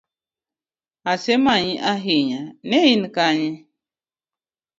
Asemanyi ahinya, nein kanye?